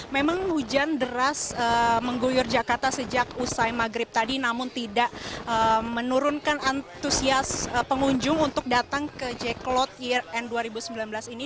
memang hujan deras mengguyur jakarta sejak usai maghrib tadi namun tidak menurunkan antusias pengunjung untuk datang ke jack clot year end dua ribu sembilan belas ini